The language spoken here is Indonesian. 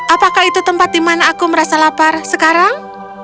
apakah itu tempat dimana aku merasa lapar sekarang